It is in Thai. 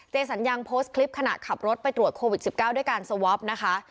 สัญญังโพสต์คลิปขณะขับรถไปตรวจโควิด๑๙ด้วยการสวอปนะคะ